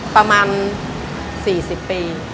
ประมาณ๔๐ปี